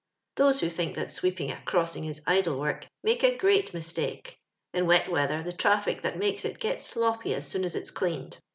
'* Those who think that sweepin' a crossing is idle work, make a great mistake. In wet weather, the traffic that makes it gets sloppy as soon as it's cleaned.